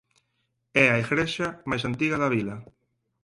É a igrexa máis antiga da vila.